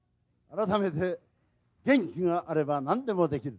改めて、元気があればなんでもできる。